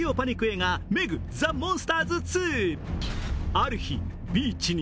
ある日、ビーチに